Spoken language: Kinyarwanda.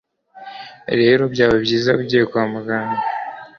rero byaba byiza ugiye kwa muganga.